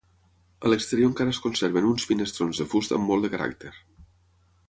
A l'exterior encara es conserven uns finestrons de fusta amb molt de caràcter.